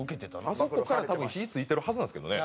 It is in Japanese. あそこから多分火ついてるはずなんですけどね。